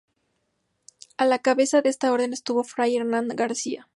A la cabeza de esta orden estuvo Fray Hernando García.